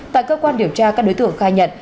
tại cơ quan điều tra các đối tượng khai nhận